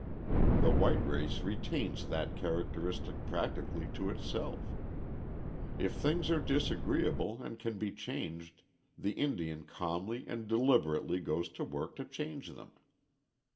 The white race retains that characteristic practically to itself. If things are disagreeable and can be changed, the Indian calmly and deliberately goes to work to change them.